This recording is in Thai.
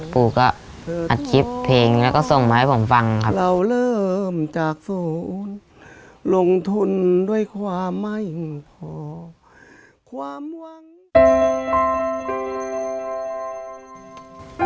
ปู่ก็อัดคลิปเพลงแล้วก็ส่งมาให้ผมฟังครับ